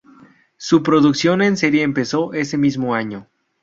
Su producción en serie empezó ese mismo año.